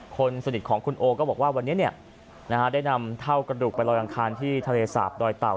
คนสนิทของคุณโอก็บอกว่าวันนี้ได้นำเท่ากระดูกไปลอยอังคารที่ทะเลสาบดอยเต่า